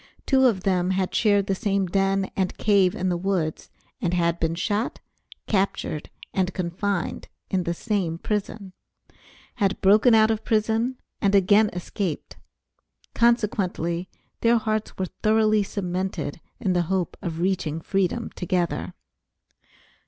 Two of them had shared the same den and cave in the woods, and had been shot, captured, and confined in the same prison; had broken out of prison and again escaped; consequently their hearts were thoroughly cemented in the hope of reaching freedom together.